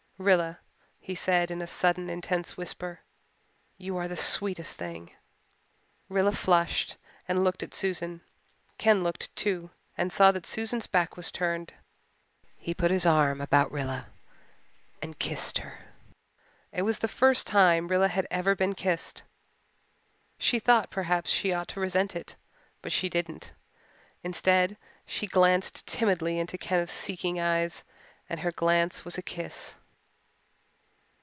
"Rilla," he said in a sudden, intense whisper, "you are the sweetest thing." Rilla flushed and looked at Susan. Ken looked, too, and saw that Susan's back was turned. He put his arm about Rilla and kissed her. It was the first time Rilla had ever been kissed. She thought perhaps she ought to resent it but she didn't. Instead, she glanced timidly into Kenneth's seeking eyes and her glance was a kiss.